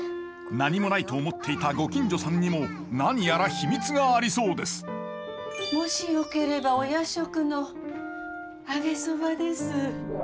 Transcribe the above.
何もないと思っていたご近所さんにも何やら秘密がありそうですもしよければお夜食の揚げそばです。